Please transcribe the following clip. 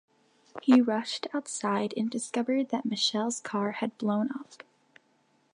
He rushed outside and discovered that Michelle's car had blown up.